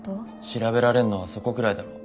調べられんのはそこくらいだろ。